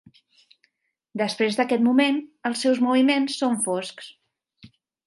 Després d'aquest moment, els seus moviments són foscs.